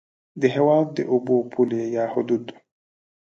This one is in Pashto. د هېواد د اوبو پولې یا حدود